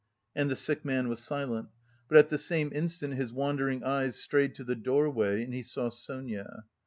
And the sick man was silent, but at the same instant his wandering eyes strayed to the doorway and he saw Sonia.